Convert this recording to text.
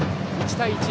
１対１。